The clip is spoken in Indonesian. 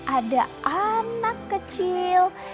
ada anak kecil